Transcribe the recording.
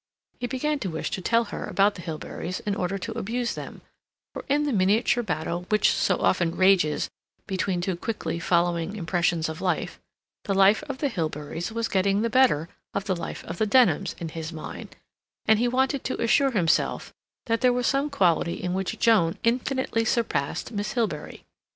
He began to wish to tell her about the Hilberys in order to abuse them, for in the miniature battle which so often rages between two quickly following impressions of life, the life of the Hilberys was getting the better of the life of the Denhams in his mind, and he wanted to assure himself that there was some quality in which Joan infinitely surpassed Miss Hilbery.